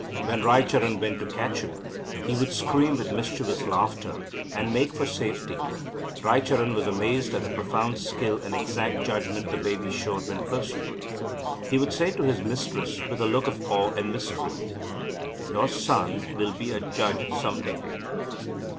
When Raicharan went to catch him, he would scream with mischievous laughter and make for safety. Raicharan was amazed at the profound skill and exact judgment the baby showed when pursued. He would say to his mistress with a look of awe and mystery: "Your son will be a judge some day."